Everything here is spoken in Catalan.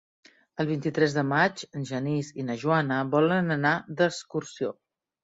El vint-i-tres de maig en Genís i na Joana volen anar d'excursió.